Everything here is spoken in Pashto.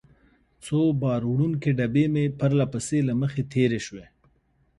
څو بار وړونکې ډبې مې پرله پسې له مخې تېرې شوې.